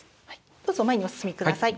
どうぞ前にお進みください。